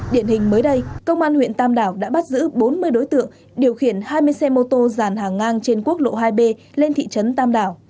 điện hình mới đây công an huyện tam đảo đã bắt giữ bốn mươi đối tượng điều khiển hai mươi xe mô tô giàn hàng ngang trên quốc lộ hai b lên thị trấn tam đảo